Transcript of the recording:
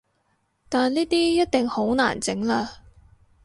但呢啲一定好難整喇